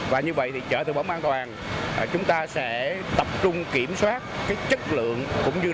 và như vậy thì chợ thực phẩm an toàn chúng ta sẽ tập trung kiểm soát chất lượng